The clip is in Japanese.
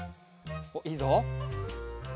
おっいいぞ。